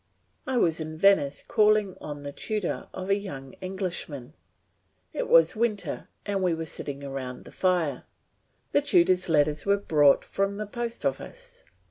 I was in Venice calling on the tutor of a young Englishman. It was winter and we were sitting round the fire. The tutor's letters were brought from the post office.